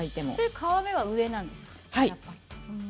皮目が上なんですね。